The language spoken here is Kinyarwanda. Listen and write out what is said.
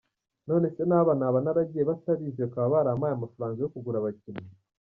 Nonese naba naragiye batabizi bakaba barampaye amafaranga yo kugura abakinnyi?.